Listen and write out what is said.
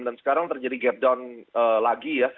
dan sekarang terjadi gap down lagi ya